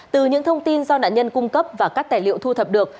từ những thông tin do nạn nhân cung cấp và các tài liệu thu thập được